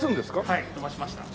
はい飛ばしました。